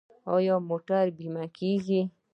آیا موټرې بیمه کیږي؟